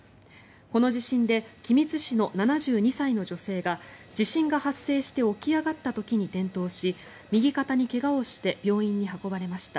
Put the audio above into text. この地震で君津市の７２歳の女性が自民党が発生して起き上がった時に転倒し右肩に怪我をして病院に運ばれました。